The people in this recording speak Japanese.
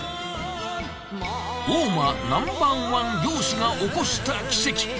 大間Ｎｏ．１漁師が起こした奇跡！